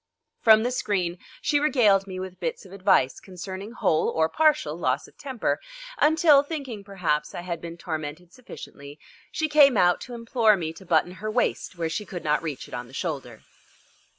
From the screen she regaled me with bits of advice concerning whole or partial loss of temper, until, thinking, perhaps, I had been tormented sufficiently, she came out to implore me to button her waist where she could not reach it on the shoulder.